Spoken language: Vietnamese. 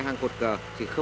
năm thứ một mươi năm